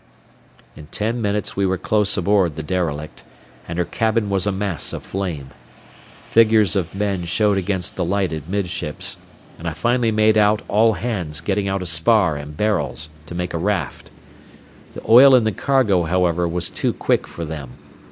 In ten minutes we were close aboard the derelict, and her cabin was a mass of flame. Figures of men showed against the light amidships, and I finally made out all hands getting out a spar and barrels to make a raft. The oil in the cargo, however, was too quick for them.